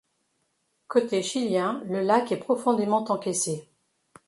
Côté chilien, le lac est profondément encaissé.